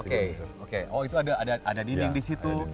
oke oke oh itu ada dinding di situ